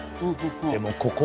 でもここで。